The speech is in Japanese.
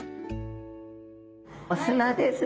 お砂ですね。